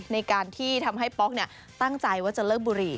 ในการที่ทำให้ป๊อกตั้งใจว่าจะเลิกบุหรี่